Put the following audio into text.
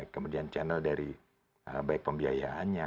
kemudian channel dari baik pembiayaannya